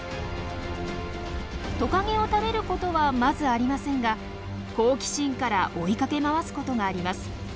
トカゲを食べることはまずありませんが好奇心から追いかけ回すことがあります。